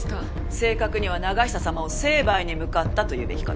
正確には永久様を成敗に向かったと言うべきかと。